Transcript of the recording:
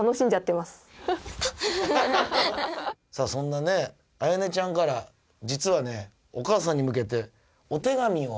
そんなねあやねちゃんから実はねお母さんに向けてお手紙を。